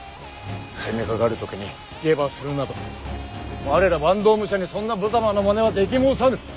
攻めかかる時に下馬するなど我ら坂東武者にそんなぶざまなまねはでき申さぬ。